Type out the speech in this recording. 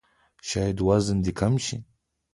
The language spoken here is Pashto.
شاید وزن دې کم شي!